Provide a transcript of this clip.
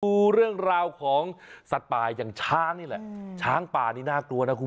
ดูเรื่องราวของสัตว์ป่ายอย่างช้างอ่ะช้างป่านี่น่ากลัว